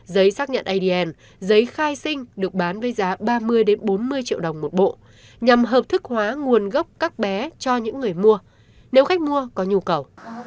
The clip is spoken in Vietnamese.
giấy xác nhận adn giấy khai sinh được bán với giá ba mươi bốn mươi triệu đồng một bộ nhằm hợp thức hóa nguồn gốc các bé cho những người mua nếu khách mua có nhu cầu